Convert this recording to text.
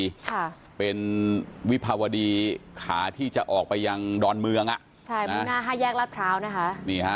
ค่ะเป็นวิภาวดีขาที่จะออกไปยังดอนเมืองอ่ะใช่มีหน้าห้าแยกรัฐพร้าวนะคะนี่ฮะ